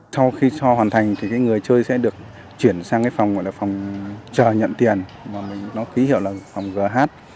sau khi cho hoàn thành thì người chơi sẽ được chuyển sang phòng chờ nhận tiền nó ký hiệu là phòng gh